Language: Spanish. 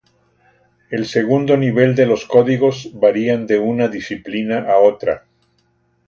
El segundo nivel de los códigos varían de una disciplina a otra.